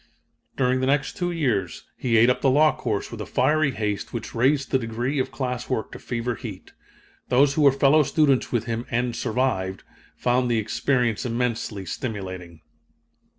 "During the next two years he ate up the law course with a fiery haste which raised the degree of class work to fever heat. Those who were fellow students with him, and survived, found the experience immensely stimulating."